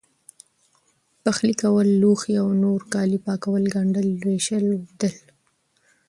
پخلی کول لوښي او نور کالي پاکول، ګنډل، رېشل، ووبدل،